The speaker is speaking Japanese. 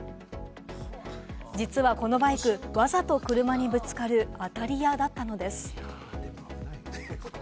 実はこのバイク、わざと車にぶつかる当たり屋だったのです。